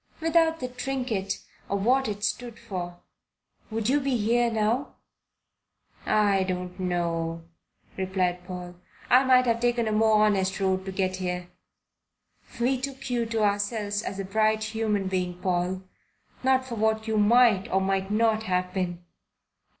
Without the trinket or what it stood for, would you be here now?" "I don't know," replied Paul. "I might have taken a more honest road to get here." "We took you to ourselves as a bright human being, Paul not for what you might or might not have been.